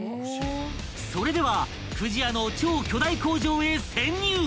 ［それでは不二家の超巨大工場へ］